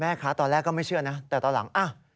ตอนแรกก็ไม่เชื่อนะแต่ตอนหลัง